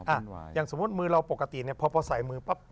อ่ะอย่างสมมติมือเราปกติพอใส่มือปั๊บ